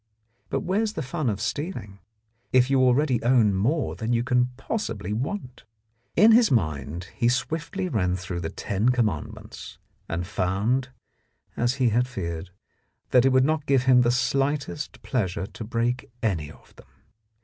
But where is the fun of stealing if you already own more than you can possibly want ? In his mind he swiftly ran through the ten com mandments, and found, as he had feared, that it would not give him the slightest pleasure to break any of them.